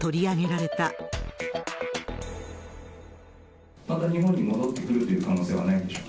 また日本に戻ってくるという可能性はないんでしょうか？